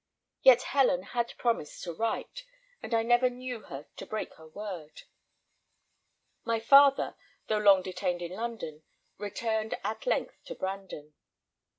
Yet Helen had promised to write, and I never knew her break her word. My father, though long detained in London, returned at length to Brandon.